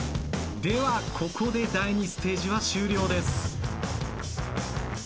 ではここで第２ステージは終了です。